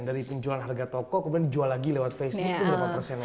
dari penjualan harga toko kemudian dijual lagi lewat facebook itu berapa persennya